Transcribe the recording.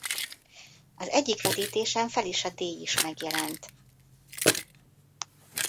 Az egyik vetítésen Felicia Day is megjelent.